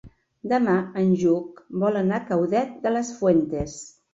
Demà en Lluc vol anar a Caudete de las Fuentes.